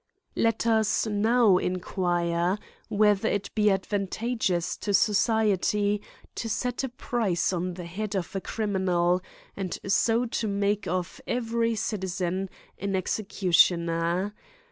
LET us now inquire, whether it be advanta geous to society, to set a price on the head of a criminal, and so to make of every citizen anexecu tioner?